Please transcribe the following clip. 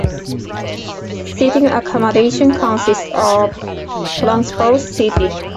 Seating accommodation consists of transverse seating.